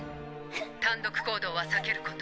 単独行動は避けること。